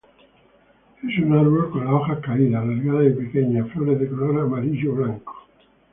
Es un árbol con las hojas caídas, alargadas y pequeñas flores de color amarillo-blanco.